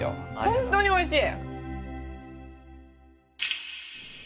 本当においしい！